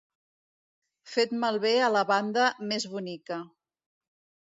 Fet malbé a la banda més bonica.